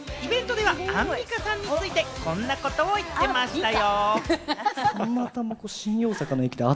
イベントではアンミカさんについて、こんなことを言ってましたよ。